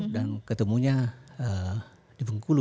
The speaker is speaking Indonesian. dan ketemunya di bengkulu